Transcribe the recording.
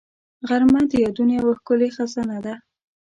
غرمه د یادونو یو ښکلې خزانه ده